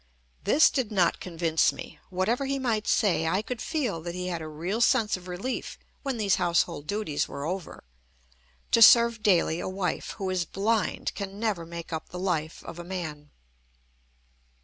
This did not convince me. Whatever he might say, I could feel that he had a real sense of relief when these household duties were over. To serve daily a wife who is blind can never make up the life of a man.